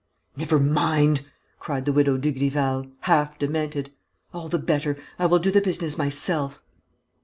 "Never mind!" cried the Widow Dugrival, half demented. "All the better! I will do the business myself."